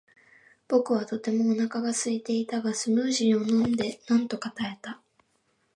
僕はとてもお腹がすいていたが、スムージーを飲んでなんとか耐えた。